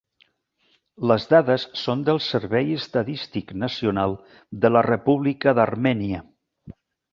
Les dades són del Servei Estadístic Nacional de la República d'Armènia.